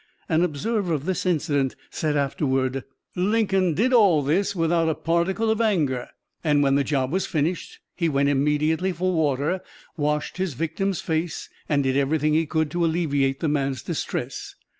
An observer of this incident said afterward: "Lincoln did all this without a particle of anger, and when the job was finished he went immediately for water, washed his victim's face and did everything he could to alleviate the man's distress.